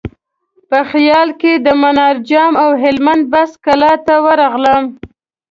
په خیال کې د منار جام او هلمند بست کلا ته ورغلم.